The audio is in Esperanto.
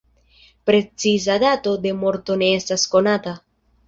Preciza dato de morto ne estas konata.